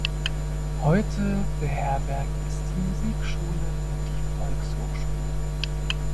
Heute beherbergt es die Musikschule und die Volkshochschule.